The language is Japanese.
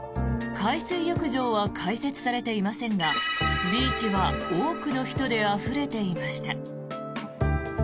海水浴場は開設されていませんがビーチは多くの人であふれていました。